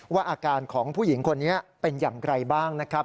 อาการของผู้หญิงคนนี้เป็นอย่างไรบ้างนะครับ